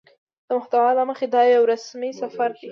د محتوا له مخې دا يو رسمي سفر دى